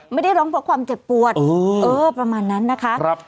ไม่ได้ร้องเพราะความเจ็บปวดประมาณนั้นนะคะ